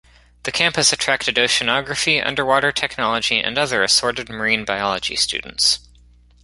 The campus attracted oceanography, underwater technology and other assorted marine biology students.